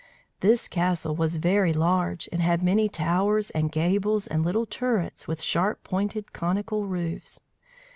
This castle was very large, and had many towers and gables and little turrets with sharp pointed, conical roofs.